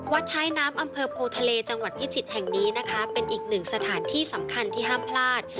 ท้ายน้ำอำเภอโพทะเลจังหวัดพิจิตรแห่งนี้นะคะเป็นอีกหนึ่งสถานที่สำคัญที่ห้ามพลาด